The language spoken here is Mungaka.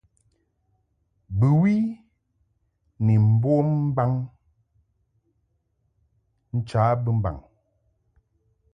Bɨwi ni mbom mbaŋ ncha bɨmbaŋ.